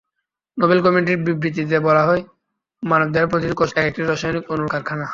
Nobel কমিটির বিবৃতিতে বলা হয়, মানবদেহের প্রতিটি কোষ একেকটি রাসায়নিক অণুর কারখানা।